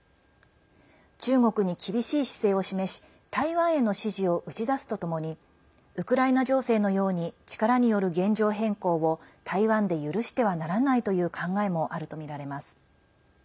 中国に厳しい姿勢を示し台湾への支持を打ち出すとともにウクライナ情勢のように力による現状変更を台湾で許してはならないという考えもあるとみられます。